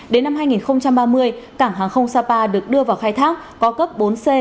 đến năm hai nghìn ba mươi cảng hàng không sapa được đưa vào khai thác có cấp bốn c